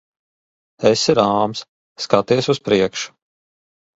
Esi rāms. Skaties uz priekšu.